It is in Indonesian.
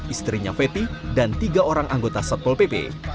istrinya feti dan tiga orang anggota satpol pp